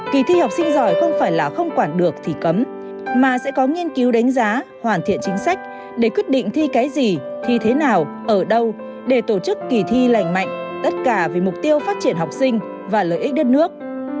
kỳ thi học sinh giỏi không phải là không quản được thì cấm mà sẽ có nghiên cứu đánh giá hoàn thiện chính sách để quyết định thi cái gì thi thế nào ở đâu để tổ chức kỳ thi lành mạnh tất cả vì mục tiêu phát triển học sinh và lợi ích đất nước